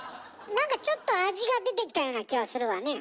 何かちょっと味が出てきたような気はするわね。